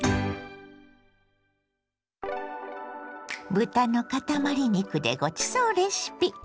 豚のかたまり肉でごちそうレシピ。